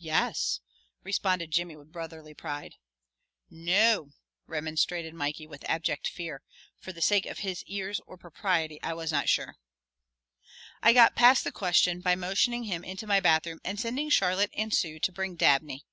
"Yes," responded Jimmy with brotherly pride. "No," remonstrated Mikey with abject fear, for the sake of his ears or propriety I was not sure. I got past the question by motioning him into my bathroom and sending Charlotte and Sue to bring Dabney.